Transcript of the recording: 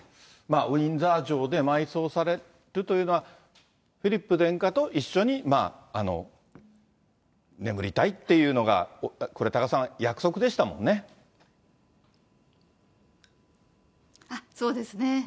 ウィンザー城で埋葬されるというのは、フィリップ殿下と一緒に眠りたいっていうのが、これ、多賀さん、そうですね。